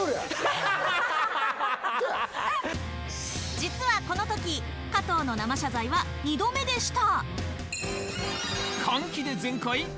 実はこの時、加藤の生謝罪は二度目でした。